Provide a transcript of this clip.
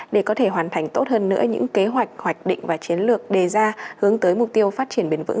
để có thể hoàn thành tốt hơn nữa những kế hoạch hoạch định và chiến lược đề ra hướng tới mục tiêu phát triển bền vững